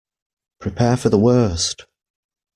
Prepare for the worst!